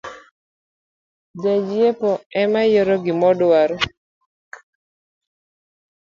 Jang’iepo emayiero gimodwaro